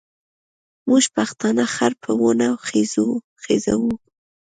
موږ پښتانه خر په ونه خېزوو.